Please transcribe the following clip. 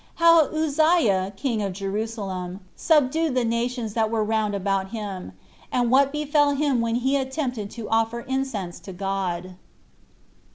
How Uzziah, King Of Jerusalem, Subdued The Nations That Were Round About Him; And What Befell Him When He Attempted To Offer Incense To God.